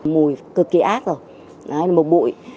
mùi cực kỳ ác rồi là một bụi